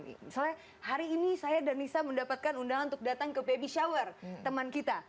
misalnya hari ini saya dan nisa mendapatkan undangan untuk datang ke baby shower teman kita